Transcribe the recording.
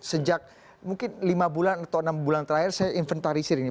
sejak mungkin lima bulan atau enam bulan terakhir saya inventarisir ini